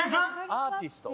アーティスト？